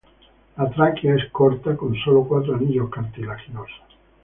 La tráquea es corta con solo cuatro anillos cartilaginosos.